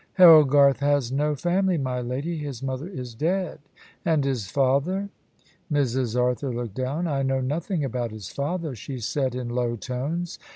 "Harold Garth has no family, my lady. His mother is dead." "And his father?" Mrs. Arthur looked down. "I know nothing about his father," she said in low tones.